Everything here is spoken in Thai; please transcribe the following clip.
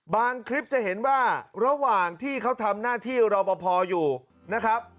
คลิปจะเห็นว่าระหว่างที่เขาทำหน้าที่รอปภอยู่นะครับ